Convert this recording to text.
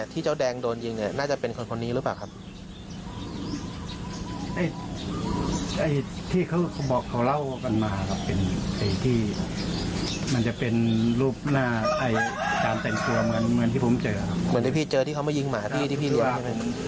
ที่เขาบอกเขาเล่ากันมาครับเป็นไอ้ที่มันจะเป็นรูปหน้าไอ้การแต่งตัวเหมือนเหมือนที่ผมเจอเหมือนที่พี่เจอที่เขามายิงหมาที่ที่พี่เรียก